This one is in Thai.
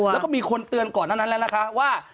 แล้วก็มีคนเตือนก่อนหน้านั้นแล้วนะคะว่า